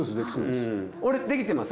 俺できてます？